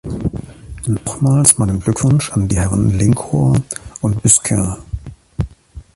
Nochmals meinen Glückwunsch an die Herren Linkohr und Busquin.